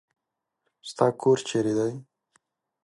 ستا کور چېري دی ؟